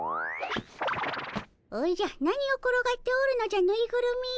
おじゃ何を転がっておるのじゃぬいぐるみよ。